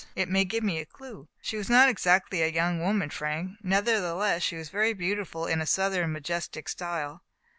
It may give me a clew. " She was not exactly a young woman, Frank ; nevertheless she was very beautiful in a Southern, majestic style.